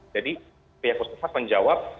jadi pihak puskesmas menjawab